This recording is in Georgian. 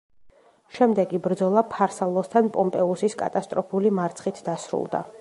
შემდეგი ბრძოლა ფარსალოსთან პომპეუსის კატასტროფული მარცხით დასრულდა.